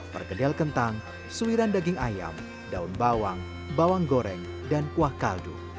pergedel kentang suiran daging ayam daun bawang bawang goreng dan kuah kaldu